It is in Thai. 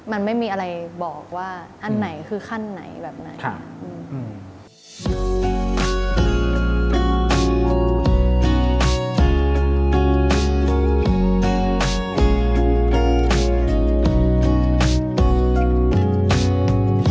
มันไม่มีอะไรบอกว่าอันไหนคือขั้นไหนแบบไหนค่ะ